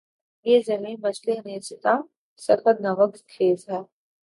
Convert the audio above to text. یہ زمیں مثلِ نیستاں‘ سخت ناوک خیز ہے